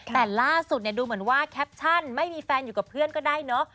แต่ล่าสุดเนี่ยดูเหมือนว่าแคปชั่นไม่มีแฟนอยู่กับเพื่อนก็ได้เนอะ